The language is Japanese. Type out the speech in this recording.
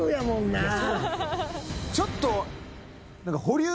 ちょっと。